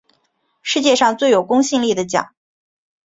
世界上最有公信力的奖